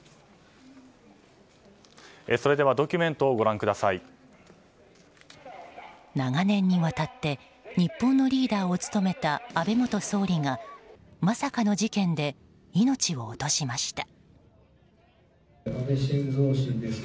それではドキュメントを長年にわたって日本のリーダーを務めた安倍元総理がまさかの事件で命を落としました。